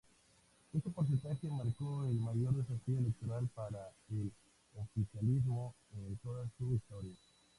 Este porcentaje marcó el mayor desafío electoral para el oficialismo en toda su historia.